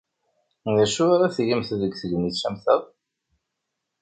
D acu ara tgemt deg tegnit am ta?